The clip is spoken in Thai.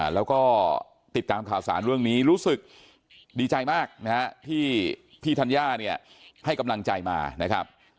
แล้วก็ติดตามข่าวสารเรื่องนี้รู้สึกดีใจมากนะฮะที่พี่ธัญญาเนี่ยให้กำลังใจมานะครับ